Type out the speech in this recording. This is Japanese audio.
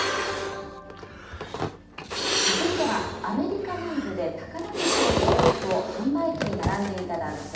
続いては、アメリカ南部で宝くじを買おうと、販売機に並んでいた男性。